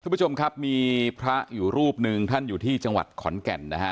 คุณผู้ชมครับมีพระอยู่รูปหนึ่งท่านอยู่ที่จังหวัดขอนแก่นนะฮะ